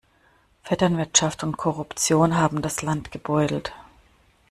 Vetternwirtschaft und Korruption haben das Land gebeutelt.